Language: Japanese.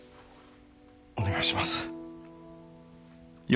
お願いします。